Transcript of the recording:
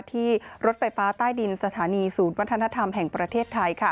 ที่รถไฟฟ้าใต้ดินสถานีศูนย์วัฒนธรรมแห่งประเทศไทย